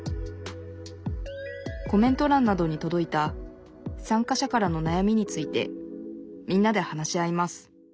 コメントらんなどにとどいた参加者からのなやみについてみんなで話し合います